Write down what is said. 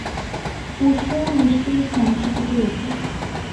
ঊশিয়ান নিশ্চয়ই ফেংশিকে পেয়েছে।